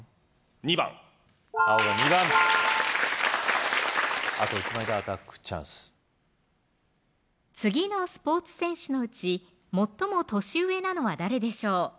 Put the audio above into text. ２番青が２番あと１枚でアタックチャンス次のスポーツ選手のうち最も年上なのは誰でしょう